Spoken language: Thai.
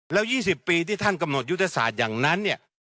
แล้ว๒๐ปีที่ท่านกำหนดยุทธศาสตร์อย่างนั้นเนี่ย